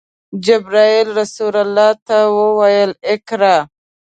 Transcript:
جبرئیل رسول الله ته وویل: “اقرأ!”